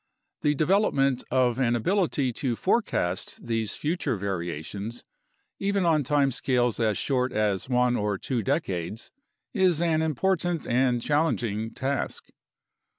The development of an ability to forecast these future variations, even on time scales as short as one or two decades, is an important and challenging task.